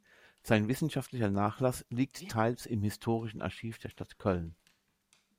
Sein wissenschaftlicher Nachlass liegt teils im Historischen Archiv der Stadt Köln.